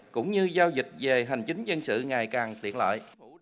cũng như giao dịch về hành chính dân sự ngày càng tiện lợi